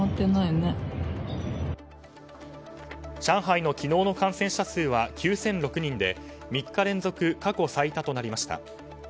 上海の昨日の感染者数は９００６人で３日連続過去最多となりました。